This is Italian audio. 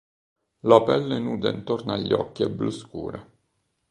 La pelle nuda intorno agli occhi è blu scura.